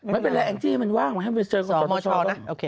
ไม่เป็นไรอันจิมันว่างไม่ให้เขาเรียนเชิญของชัวร์